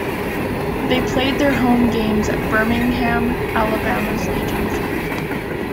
They played their home games at Birmingham, Alabama's Legion Field.